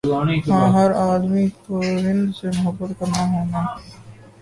ہاں ہَر آدمی پرند سے محبت کرنا ہونا